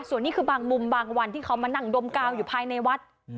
ส่วนนี้คือบางมุมบางวันที่เขามานั่งดมกาวอยู่ภายในวัด